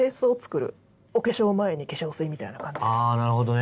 あなるほどね。